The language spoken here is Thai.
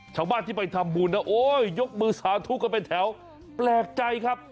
ชาวบ้านที่ไปทำบุญนะโอ้ยยกมือสาธุกันเป็นแถวแปลกใจครับ